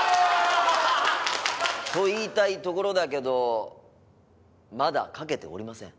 と言いたいところだけどまだ書けておりません。